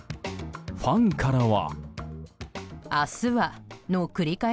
ファンからは。